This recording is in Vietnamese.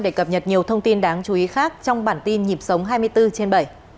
để cập nhật nhiều thông tin đáng chú ý khác trong bản tin nhịp sống hai mươi bốn trên bảy